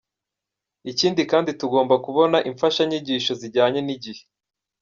Ikindi kandi tugomba kubona imfashanyigisho zijyanye n’igihe.